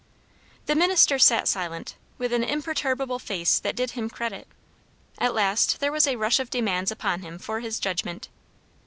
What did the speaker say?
The minister sat silent, with an imperturbable face that did him credit. At last there was a rush of demands upon him for his judgment.